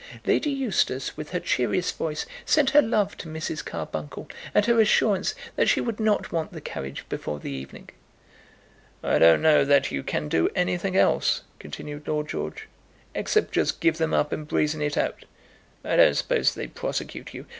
Lady Eustace, with her cheeriest voice, sent her love to Mrs. Carbuncle, and her assurance that she would not want the carriage before the evening. "I don't know that you can do anything else," continued Lord George, "except just give them up and brazen it out. I don't suppose they'd prosecute you."